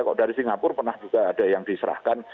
kalau dari singapura pernah juga ada yang diserahkan